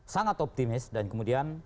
sangat optimis dan kemudian